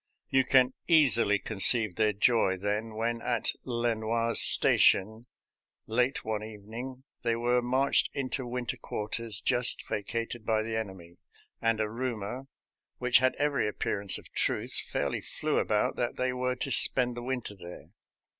You can easily con ceive their joy, then, when at Lenoir's Station, late one evening, they were marched into win ter quarters just vacated by the enemy, and a rumor, which had every appearance of truth, fairly flew about that they were to spend the winter there.